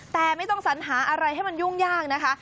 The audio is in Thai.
แต่ไม่ต้องสัญหาอะไรให้มันยุ่งยากนะคะ